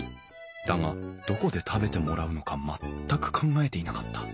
だがどこで食べてもらうのか全く考えていなかった。